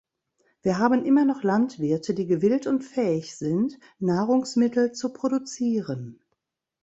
Wir haben immer noch Landwirte, die gewillt und fähig sind, Nahrungsmittel zu produzieren.